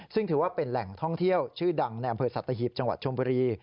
ซึ่งถือว่าเป็นแหล่งท่องเที่ยวชื่อดังในอำเภอสัตหีบจังหวัดชมบุรี